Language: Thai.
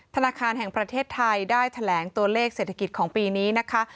ธนาคารแห่งประเทศไทยได้แถลงตัวเลขเศรษฐกิจของปีนี้นะคะ